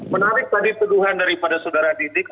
menarik tadi tuduhan daripada saudara didik